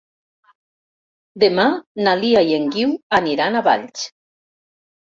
Demà na Lia i en Guiu aniran a Valls.